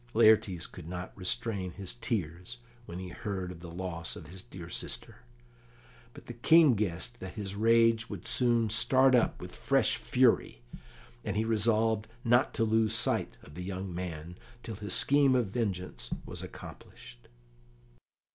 Laertes could not restrain his tears when he heard of the loss of his dear sister, but the King guessed that his rage would soon start up with fresh fury, and he resolved not to lose sight of the young man till his scheme of vengeance was accomplished.